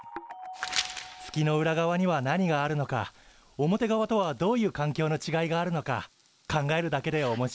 月の裏側には何があるのか表側とはどういう環境のちがいがあるのか考えるだけでおもしろいよね。